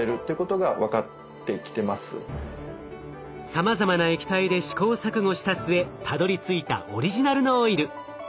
さまざまな液体で試行錯誤した末たどりついたオリジナルのオイル。